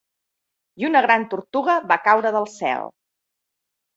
I una gran tortuga va caure del cel.